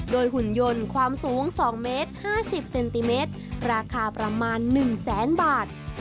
หุ่นยนต์ความสูง๒เมตร๕๐เซนติเมตรราคาประมาณ๑แสนบาท